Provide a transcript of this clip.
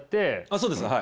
そうです。